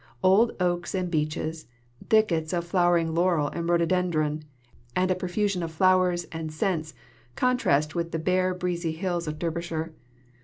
Old oaks and beeches, thickets of flowering laurel and rhododendron, and a profusion of flowers and scents, contrast with the bare breezy hills of Derbyshire.